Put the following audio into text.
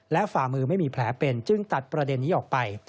และฝ่ามือไม่มีแผลเป็นจึงตัดประเด็นนี้ออกไป